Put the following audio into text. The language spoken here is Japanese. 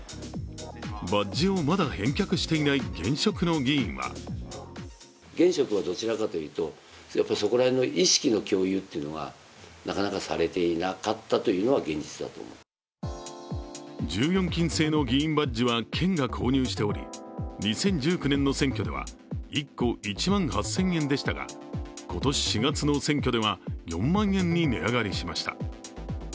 バッジをまだ返却していない現職の議員は１４金製の議員バッジは県が購入しており２０１９年の選挙では１個１万８０００円でしたが今年４月の選挙では４万円に値上がりしました。